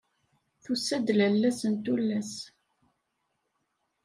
Tusa-d lala-s n tullas.